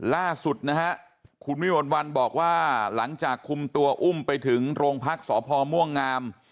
ล่าสุดนะฮะคุณวิมวลวันบอกว่าหลังจากคุมตัวอุ้มไปถึงโรงพักษพม่วงงาม